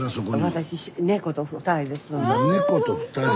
私猫と２人で住んどる。